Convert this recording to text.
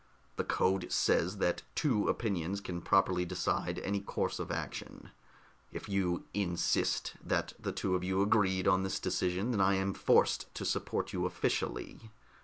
The code says that two opinions can properly decide any course of action. If you insist that two of you agreed on this decision, then I am forced to support you officially.